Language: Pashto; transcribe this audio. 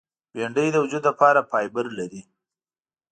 بېنډۍ د وجود لپاره فایبر لري